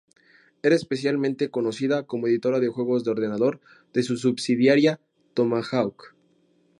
Era especialmente conocida como editora de juegos de ordenador de su subsidiaria Tomahawk.